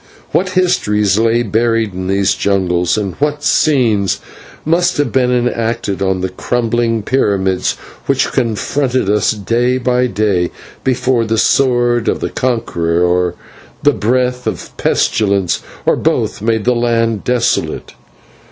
What histories lay buried in those jungles, and what scenes must have been enacted on the crumbling pyramids which confronted us day by day, before the sword of the conqueror or the breath of pestilence, or both, made the land desolate.